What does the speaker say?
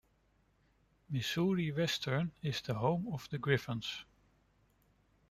Missouri Western is the home of the Griffons.